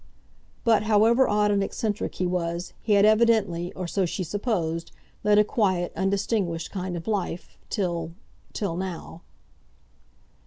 But, however odd and eccentric he was, he had evidently, or so she supposed, led a quiet, undistinguished kind of life, till—till now.